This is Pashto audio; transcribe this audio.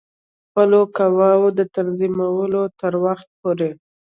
خپلو قواوو د تنظیمولو تر وخته پوري.